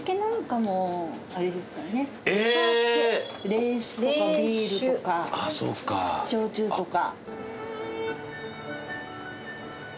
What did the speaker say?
冷酒とかビールとか焼酎とか。